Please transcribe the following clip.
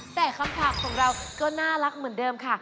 แต่คำถามของเราก็น่ารักเหมือนเดิมค่ะ